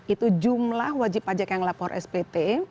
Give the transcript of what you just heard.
itu jumlah wajib pajak yang lapor spt